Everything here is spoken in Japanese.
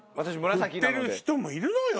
振ってる人もいるのよ